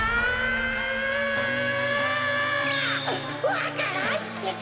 わか蘭ってか！